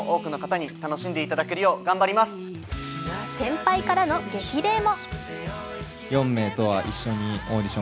先輩からの激励も。